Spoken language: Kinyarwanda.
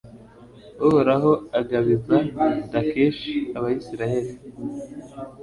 uhoraho agabiza lakishi abayisraheli